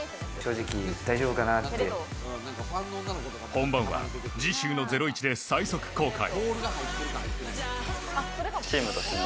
本番は次週の『ゼロイチ』で最速公開。